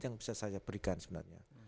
yang bisa saya berikan sebenarnya